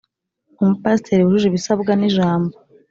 umupasiteri wujuje ibisabwa n ijambo